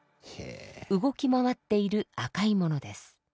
動き回っている赤いものです。